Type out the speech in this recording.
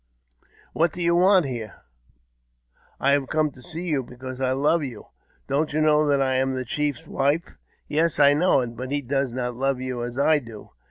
" What do you want here ?''^" I have come to see you, because I love you." " Don't you know that I am the chief's wife? " "Yes, I know it; but he does not love you as I do.